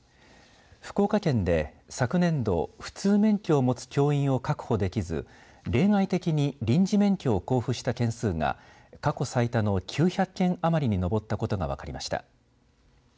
福岡県で、昨年度普通免許を持つ教員を確保できず例外的に臨時免許を交付した件数が過去最多の９００件あまりに上ったことが分かりました。